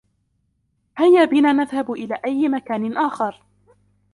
هيا بنا نذهب إلى أي مكان آخر.